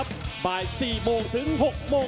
สวัสดีทุกคน